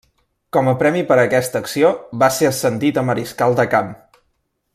Com a premi per aquesta acció va ser ascendit a mariscal de camp.